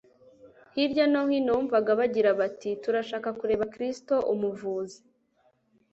Hirya no hino wumvaga bagira bati: "Turashaka kureba Kristo umuvuzi".